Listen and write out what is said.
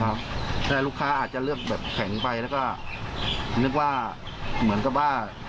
ใช่ลูกค้าอาจจะเลือกแบบแข็งไปแล้วก็นึกว่าเหมือนกับว่า